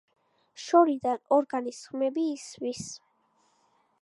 შორიდან ორგანის ხმები ისმის.